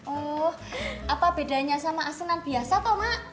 oh apa bedanya sama asinan biasa pak mak